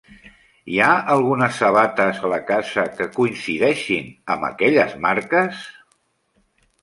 Hi ha algunes sabates a la casa que coincideixin amb aquelles marques?